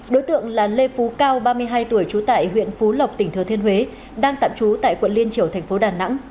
đối tượng là lê phú cao ba mươi hai tuổi trú tại huyện phú lộc tỉnh thừa thiên huế đang tạm trú tại quận liên triểu thành phố đà nẵng